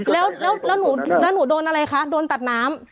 แล้วหนูโดนอะไรคะโดนตัดน้ำ